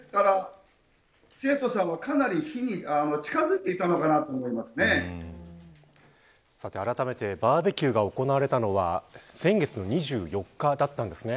ですから、生徒さんはかなり火に近づいていたのかなとさて、あらためてバーベキューが行われたのは先月の２４日だったんですね。